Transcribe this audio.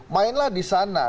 mainlah di sana